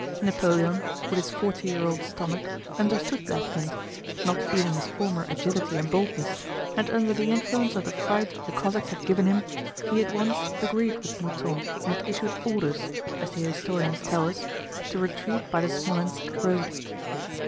Napoleon with his forty year old stomach understood that hint, not feeling his former agility and boldness, and under the influence of the fright the Cossacks had given him he at once agreed with Mouton and issued orders—as the historians tell us—to retreat by the Smolénsk road.